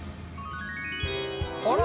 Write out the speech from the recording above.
あら！